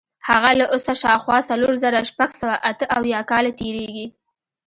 هغه له اوسه شاوخوا څلور زره شپږ سوه اته اویا کاله تېرېږي.